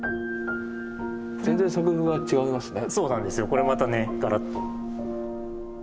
これまたねガラッと。